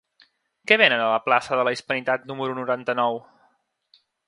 Què venen a la plaça de la Hispanitat número noranta-nou?